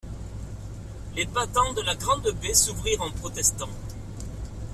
Les battants de la grande baie s’ouvrirent en protestant.